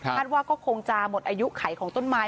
ว่าก็คงจะหมดอายุไขของต้นไม้